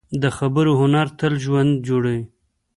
د خبرو هنر تل ژوند جوړوي